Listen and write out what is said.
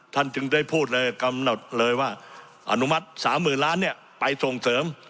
ท่านจึงได้พูดเลยกำหนดเลยว่าอนุมัติสามหมื่นล้านเนี่ยไปทรงเสริม